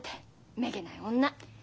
めげない。